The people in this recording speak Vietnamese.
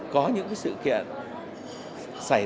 có những sự kiện xảy ra